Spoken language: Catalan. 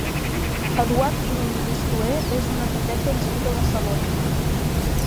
Eduard Bru i Bistuer és un arquitecte nascut a Barcelona.